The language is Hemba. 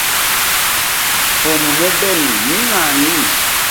Fumu mubeli ni nani?